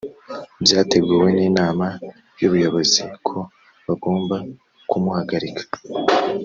byateguwe n’inama y’ubuyobozi ko bagomba ku muhagarika